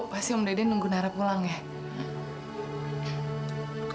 pasti om dede nunggu nara pulang ya